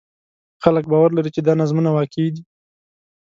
خلک باور لري چې دا نظمونه واقعي دي.